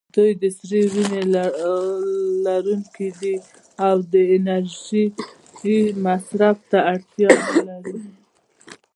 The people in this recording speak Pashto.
دوی د سړې وینې لرونکي دي او د انرژۍ مصرف ته اړتیا نه لري.